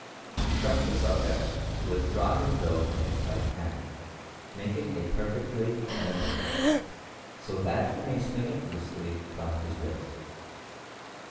— Instruct the subject to withdraw his Will from his right hand, making it perfectly "limber," so that he may swing it loosely from his wrist.